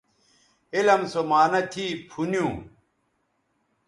علم سو معانہ تھی پُھنیوں